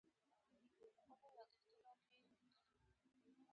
ځینې لرګي د شپې له یخنۍ ساتنې لپاره دیوالونو ته نصبېږي.